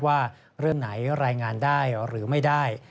ว่าเรื่องไหนรายงานได้หรือไม่ได้